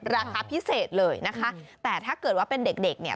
ราคาพิเศษเลยนะคะแต่ถ้าเกิดว่าเป็นเด็กเด็กเนี่ย